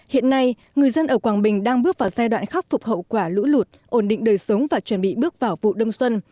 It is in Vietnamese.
hiện nay người dân ở quảng bình đang bước vào giai đoạn khắc phục hậu quả lũ lụt ổn định đời sống và chuẩn bị bước vào vụ đông xuân